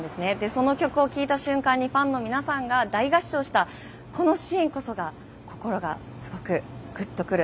その曲を聞いた瞬間にファンの皆さんが大合唱したシーンこそが心が、すごくグッとくる。